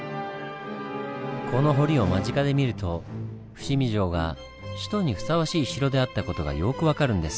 この堀を間近で見ると伏見城が首都にふさわしい城であった事がよく分かるんです。